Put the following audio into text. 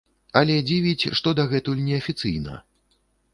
Але дзівіць, што дагэтуль неафіцыйна.